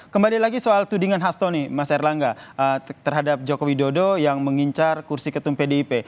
kembali lagi soal tudingan hastoni mas erlangga terhadap joko widodo yang mengincar kursi ketum pdip